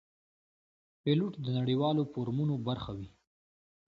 پیلوټ د نړیوالو فورمونو برخه وي.